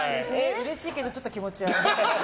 うれしいけどちょっと気持ち悪い。